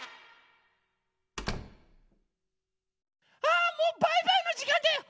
あもうバイバイのじかんだよ！